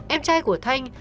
em trai của thanh